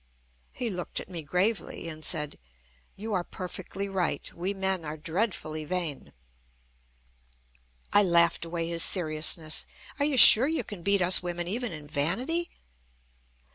He looked at me gravely, and said: "You are perfectly right. We men are dreadfully vain." I laughed away his seriousness: "Are you sure you can beat us women even in vanity?"